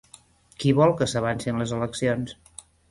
Qui vol que s'avancin les eleccions?